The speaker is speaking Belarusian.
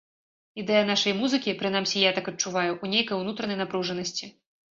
Ідэя нашай музыкі, прынамсі я так адчуваю, у нейкай унутранай напружанасці.